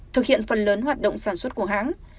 thực hiện phần lớn hoạt động sản xuất của hãng